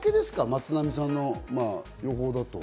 松並さんの予報だと。